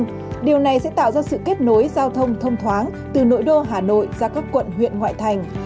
cây cầu trần hưng đạo sẽ tạo ra sự kết nối giao thông thông thoáng từ nội đô hà nội ra các quận huyện ngoại thành